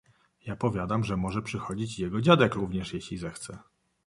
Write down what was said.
"Ja powiadam, że może przychodzić i jego dziadek również, jeżeli zechce."